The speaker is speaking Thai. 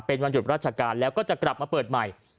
เป็นวันหยุดราชการแล้วก็จะกลับมาเปิดใหม่